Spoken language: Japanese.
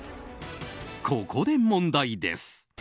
ここで問題です。